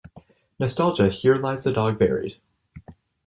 Nostalgia Here lies the dog buried.